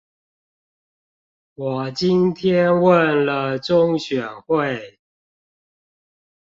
我今天問了中選會